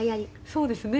そうですね。